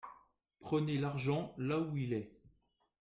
Prenez l’argent là où il est